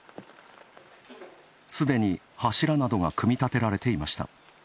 すでに柱などが組み立てられていました。